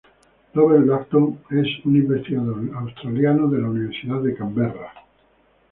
Robert Langdon es un investigador australiano de la Universidad de Canberra.